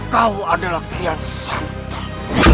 kau adalah kian santan